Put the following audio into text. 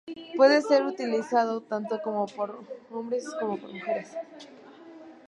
Puede ser utilizado tanto por hombres como por mujeres.